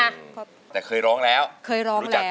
ไม่ใช่ะ